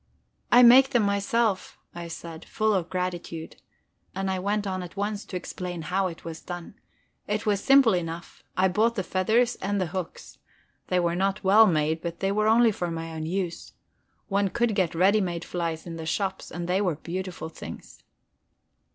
"I make them myself," I said, full of gratitude. And I went on at once to explain how it was done. It was simple enough: I bought the feathers and the hooks. They were not well made, but they were only for my own use. One could get ready made flies in the shops, and they were beautiful things.